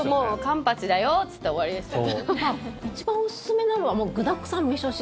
カンパチだよって言って終わりですよ。